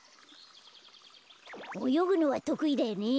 およぐのはとくいだよね？